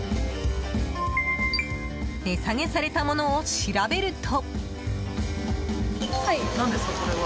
値下げされたものを調べると。